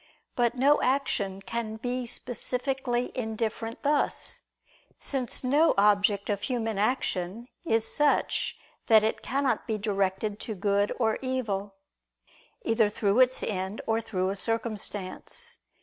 But no action can be specifically indifferent thus: since no object of human action is such that it cannot be directed to good or evil, either through its end or through a circumstance.